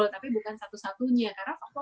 tapi bukan satu satunya